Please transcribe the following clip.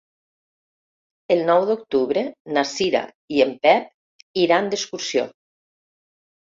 El nou d'octubre na Cira i en Pep iran d'excursió.